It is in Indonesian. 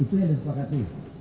itu yang disepakati